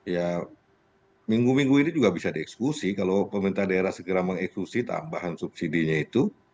ya minggu minggu ini juga bisa dieksekusi kalau pemerintah daerah segera mengeksekusi tambahan subsidinya itu